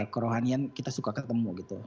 kerohanian kita suka ketemu gitu